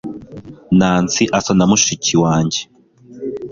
nancy asa na mushiki wanjye